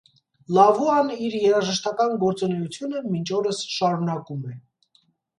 Լավուան իր երաժշտական գործունեությունը մինչ օրս շարունակում է։